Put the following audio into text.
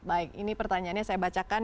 baik ini pertanyaannya saya bacakan